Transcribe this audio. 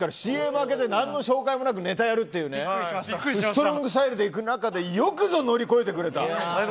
ＣＭ明けで何の紹介もなくネタをやるっていうストロングスタイルでやる中でよくぞ乗り越えてくれた。